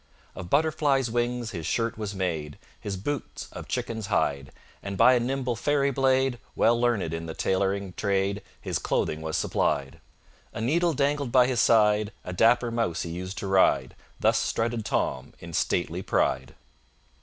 Of Butterfly's wings his shirt was made, His boots of chicken's hide; And by a nimble fairy blade, Well learned in the tailoring trade, His clothing was supplied. A needle dangled by his side; A dapper mouse he used to ride, Thus strutted Tom in stately pride!